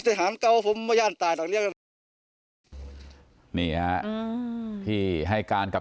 ผมสิหาเกาผมมัยยานตายต่อเนี้ยนี่ฮะอืมพี่ให้การกับ